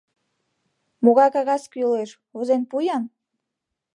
— Могай кагаз кӱлеш — возен пу-ян!